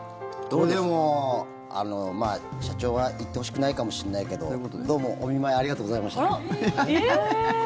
でも、社長は言ってほしくないかもしれないけどどうもお見舞いありがとうございました。